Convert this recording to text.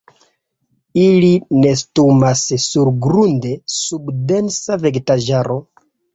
Ili nestumas surgrunde sub densa vegetaĵaro.